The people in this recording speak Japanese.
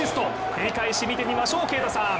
繰り返し見てみましょう、啓太さん。